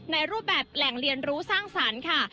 ในรูปแบบแหล่งเรียนรู้สร้างสรรค์ค่ะ